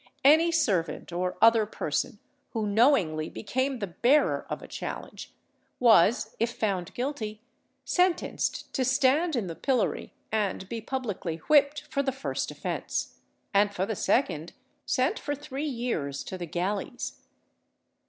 Any servant or other person, who knowingly became the bearer of a challenge, was, if found guilty, sentenced to stand in the pillory and be publicly whipped for the first offence; and for the second, sent for three years to the galleys.